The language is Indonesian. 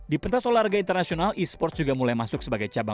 di pentas olahraga internasional e sports juga mulai masuk sebagai cabang